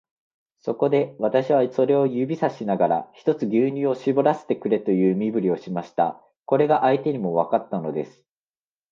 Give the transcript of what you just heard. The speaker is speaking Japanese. そこで、私はそれを指さしながら、ひとつ牛乳をしぼらせてくれという身振りをしました。これが相手にもわかったのです。